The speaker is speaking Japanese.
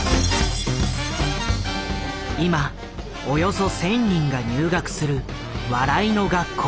今およそ１，０００人が入学する笑いの学校。